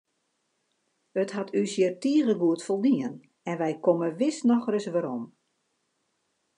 It hat ús hjir tige goed foldien en wy komme wis noch ris werom.